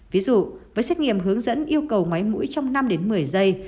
ví dụ với xét nghiệm hướng dẫn yêu cầu máy mũi trong năm đến một mươi giây